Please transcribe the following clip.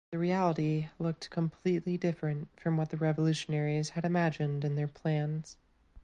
The reality looked completely different from what the revolutionaries had imagined in their plans.